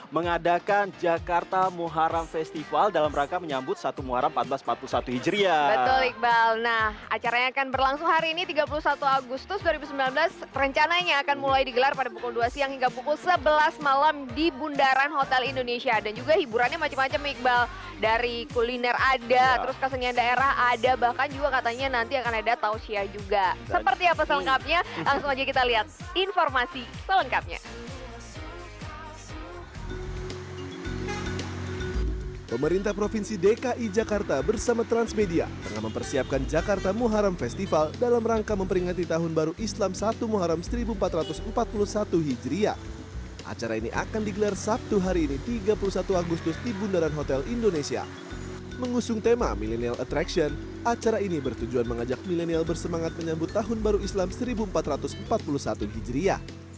mengusung tema millennial attraction acara ini bertujuan mengajak milenial bersemangat menyambut tahun baru islam seribu empat ratus empat puluh satu hijriah